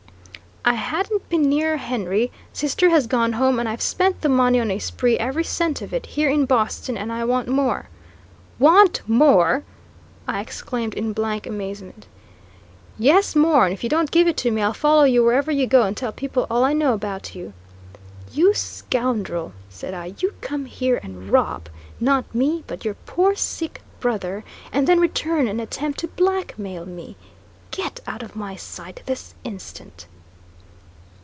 "I hadn't been near Henry; sister has gone home; and I've spent the money on a spree, every cent of it, here in Boston, and I want more." "Want more!" I exclaimed in blank amazement: "Yes, more; and if you don't give it to me, I'll follow you wherever you go, and tell people all I know about you." "You scoundrel," said I, "you come here and rob, not me, but your poor, sick brother, and then return and attempt to blackmail me. Get out of my sight this instant."